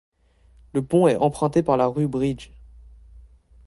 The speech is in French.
Le pont est emprunté par la rue Bridge.